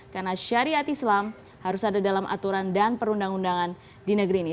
karena syariat islam harus ada dalam aturan dan perundang undangan di negeri ini